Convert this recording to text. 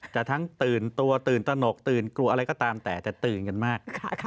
ทั้งตื่นตัวตื่นตนกตื่นกลัวอะไรก็ตามแต่จะตื่นกันมาก